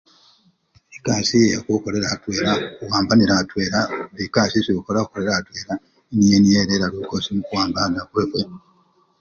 Ekasii yekhukholela atwela, khuwambanila atwela, buli kasii esii khukhola khuwambanila atwela niye niye erela lukosi mukhuwambana hwefwe